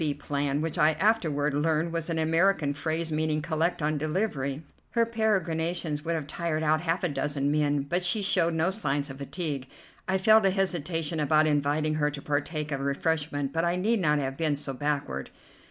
D." plan, which I afterward learned was an American phrase meaning, "Collect on delivery." Her peregrinations would have tired out half a dozen men, but she showed no signs of fatigue. I felt a hesitation about inviting her to partake of refreshment, but I need not have been so backward.